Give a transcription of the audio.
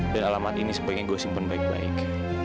dan alamat ini sebaiknya gua simpen baik baik